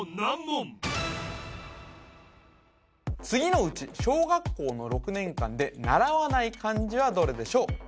次のうち小学校の６年間で習わない漢字はどれでしょう？